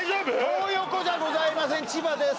トー横じゃございません千葉です